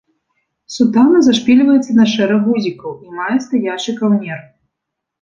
Сутана зашпільваецца на шэраг гузікаў і мае стаячы каўнер.